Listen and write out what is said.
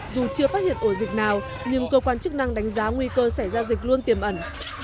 dù chưa phát hiện ổ dịch nào nhưng cơ quan chức năng đánh giá nguy cơ xảy ra dịch luôn tiềm ẩn